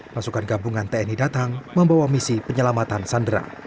masukan gabungan tni datang membawa misi penyelamatan sandera